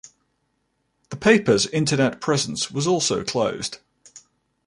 The paper's internet presence was also closed.